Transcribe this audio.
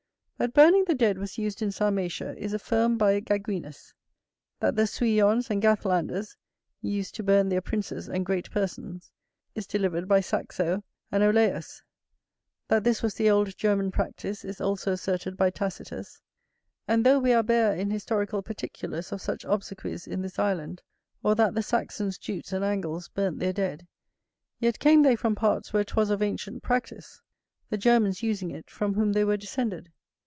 That burning the dead was used in Sarmatia is affirmed by Gaguinus; that the Sueons and Gathlanders used to burn their princes and great persons, is delivered by Saxo and Olaus; that this was the old German practice, is also asserted by Tacitus. And though we are bare in historical particulars of such obsequies in this island, or that the Saxons, Jutes, and Angles burnt their dead, yet came they from parts where 'twas of ancient practice; the Germans using it, from whom they were descended.